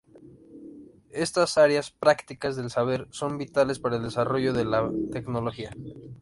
Estas áreas prácticas del saber son vitales para el desarrollo de la tecnología.